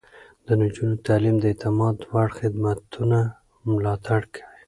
د نجونو تعليم د اعتماد وړ خدمتونه ملاتړ کوي.